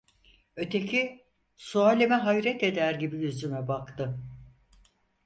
Öteki, sualime hayret eder gibi yüzüme baktı.